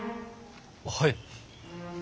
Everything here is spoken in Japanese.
はい。